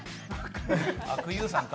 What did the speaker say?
阿久悠さんか。